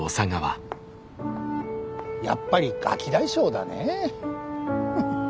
やっぱりガキ大将だねえ。